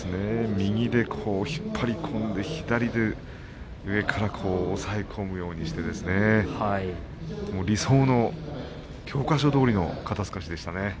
右で引っ張り込んで左で上から押さえ込むようにして理想の教科書どおりの肩すかしでしたね。